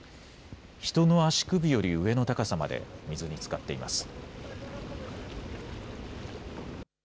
人の足首より上の高さまで水につかっています。